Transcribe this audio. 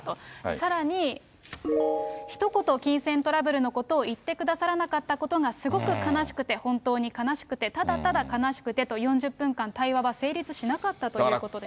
さらに、ひと言金銭トラブルのことを言ってくださらなかったことがすごく悲しくて、本当に悲しくて、ただただ悲しくてと、４０分間、対話は成立しなかったということです。